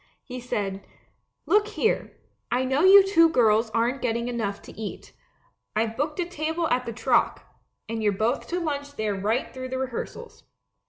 He said, "Look here, I know you two girls aren't getting enough to eat; I've booked a table at the Troc, and you're both to lunch there right through the rehearsals.